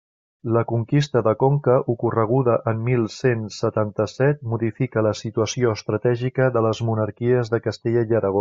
La conquista de Conca, ocorreguda en mil cent setanta-set, modifica la situació estratègica de les monarquies de Castella i Aragó.